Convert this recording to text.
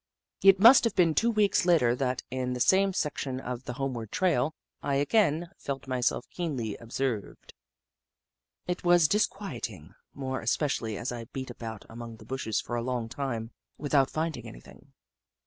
It must have been two weeks later that, in the same section of the homeward trail, I again felt myself keenly observed. It was disquiet ing, more especially as I beat about among the bushes for a long time without finding any thing.